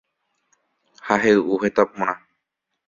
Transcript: Ha hey'u heta porã